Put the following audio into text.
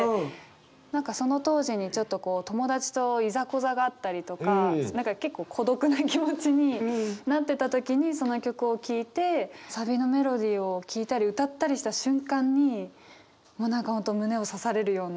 何かその当時にちょっとこう友達といざこざがあったりとか何か結構孤独な気持ちになってた時にその曲を聴いてサビのメロディーを聴いたり歌ったりした瞬間にもう何か本当胸を刺されるような。